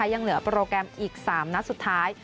ยังเหลือโปรแกรมอีก๓นัดสุดท้าย